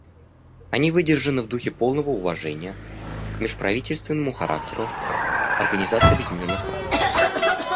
Они выдержаны в духе полного уважения к межправительственному характеру Организации Объединенных Наций.